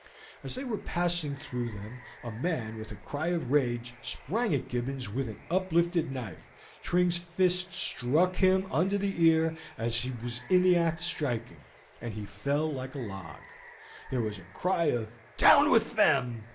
As they were passing through them a man with a cry of rage sprang at Gibbons with an uplifted knife. Tring's fist struck him under the ear as he was in the act of striking, and he fell like a log. There was a cry of "Down with them!"